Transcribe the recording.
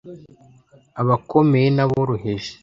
abakomeye n aboroheje